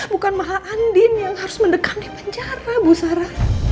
bukan maha andin yang harus mendekati penjara bu sarah